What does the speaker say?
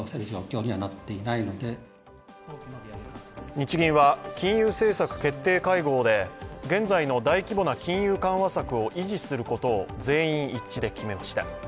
日銀は金融政策決定会合で、現在の大規模な金融緩和策を維持することを全員一致で決めました。